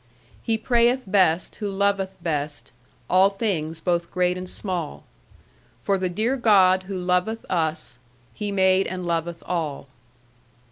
He prayeth best who loveth best All things both great and small; For the dear God who loveth us, He made and loveth all."